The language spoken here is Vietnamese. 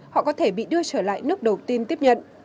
họ có thể bị đưa trở lại nước đầu tiên tiếp nhận